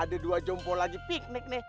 ada dua jompo lagi piknik nih